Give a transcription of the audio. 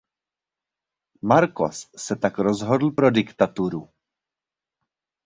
Marcos se tak rozhodl pro diktaturu.